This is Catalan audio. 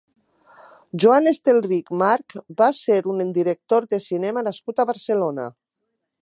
Joan Estelrich March va ser un director de cinema nascut a Barcelona.